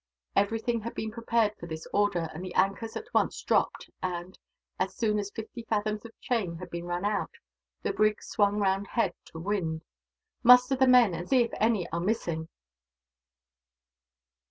Everything had been prepared for this order, and the anchors at once dropped and, as soon as fifty fathoms of chain had been run out, the brig swung round head to wind. "Muster the men, and see if any are missing."